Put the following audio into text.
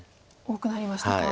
多くなりましたか。